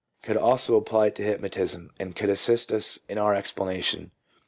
could also apply it to hypnotism, and could assist us in our explanation.